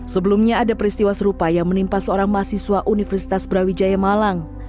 sebelumnya ada peristiwa serupa yang menimpa seorang mahasiswa universitas brawijaya malang